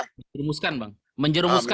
menjurumuskan bang menjurumuskan